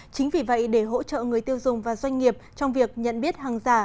chính vì vậy để hỗ trợ người tiêu dùng và doanh nghiệp trong việc nhận biết hàng giả